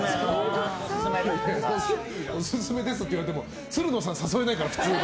オススメですって言われてもつるのさん、誘えないから普通。